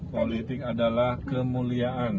politik adalah kemuliaan